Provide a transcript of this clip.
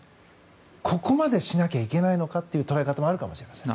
ここまでしなきゃいけないのかという捉え方もあるかもしれません。